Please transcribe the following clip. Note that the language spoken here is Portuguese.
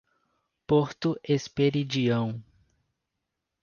Porto Esperidião